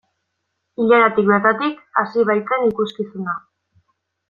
Ilaratik bertatik hasi baitzen ikuskizuna.